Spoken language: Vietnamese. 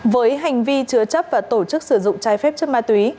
với hành vi chứa chấp và tổ chức sử dụng trái phép chất ma túy